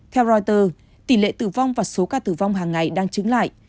theo reuters tỷ lệ tử vong và số ca tử vong hàng ngày đang trứng lại